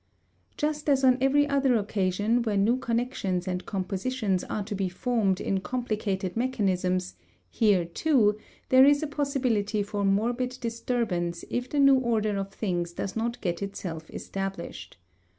Just as on every other occasion where new connections and compositions are to be formed in complicated mechanisms, here, too, there is a possibility for morbid disturbance if the new order of things does not get itself established.